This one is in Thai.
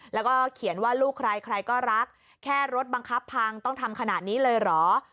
แล้วก็เขียนว่าลูกใครใครก็รักแค่รถบังคับพังต้องทำขนาดนี้เลยเหรอ